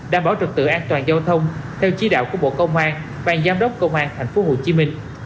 đảm bảo trật tựa an toàn giao thông theo chí đạo của bộ công an ban giám đốc công an tp hcm